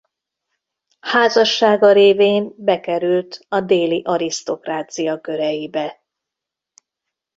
Házassága révén bekerült a déli arisztokrácia köreibe.